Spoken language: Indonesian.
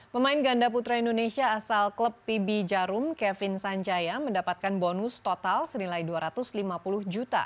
pemain ganda putra indonesia asal klub pb jarum kevin sanjaya mendapatkan bonus total senilai dua ratus lima puluh juta